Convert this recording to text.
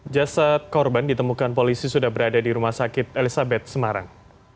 jasad korban ditemukan polisi sudah berada di rumah sakit elizabeth semarang